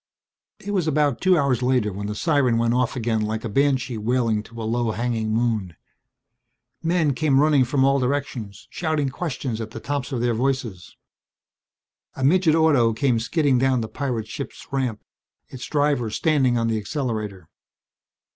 It was about two hours later when the siren went off again like a banshee wailing to a low hanging moon. Men came running from all directions, shouting questions at the tops of their voices. A midget auto came skidding down the pirate ship's ramp, its driver standing on the accelerator.